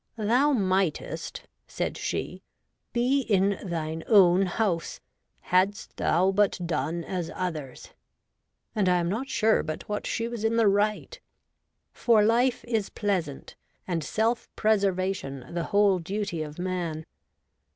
' Thou mightest,' said she, ' be in thine own house, hadst thou but done as others :' and I am not sure but what she was in the right ; loo REVOLTED WOMAN. for life is pleasant and self preservation the whole duty of man.